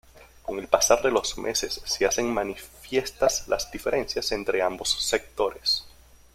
Con el pasar de los meses se hacen manifiestas las diferencias entre ambos sectores.